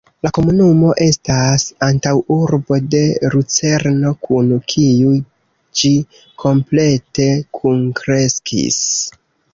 La komunumo estas antaŭurbo de Lucerno, kun kiu ĝi komplete kunkreskis.